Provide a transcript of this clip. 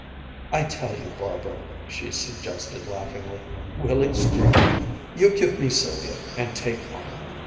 "I tell you, Barbara" she suggested laughingly, "we'll exchange. You give me Sylvia, and take Arnold."